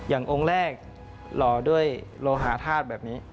อย่างองค์แรกหล่อด้วยโลหาธาตุแบบนี้